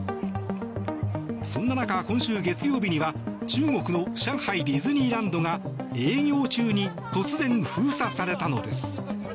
そんな中、今週月曜日には中国の上海ディズニーランドが営業中に突然封鎖されたのです。